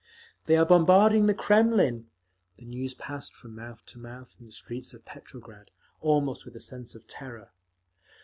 "They are bombarding the Kremlin!" The news passed from mouth to mouth in the streets of Petrograd, almost with a sense of terror.